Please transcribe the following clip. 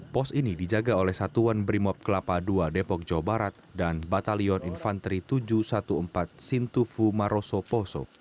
pos ini dijaga oleh satuan brimob kelapa dua depok jawa barat dan batalion infanteri tujuh ratus empat belas sintufu maroso poso